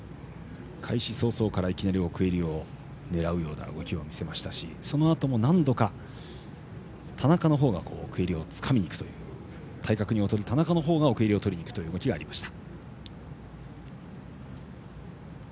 開始早々からいきなり奥襟を狙うような動きを見せましたしそのあとも何度か田中のほうが奥襟をつかみにいくという体格に劣る田中のほうが奥襟をとりにいく動きがありました。